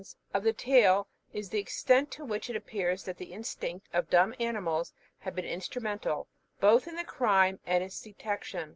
The most surprising part of the tale is the extent to which it appears that the instinct of dumb animals had been instrumental, both in the crime and in its detection.